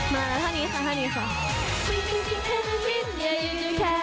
มาท่านี้ค่ะท่านี้ค่ะ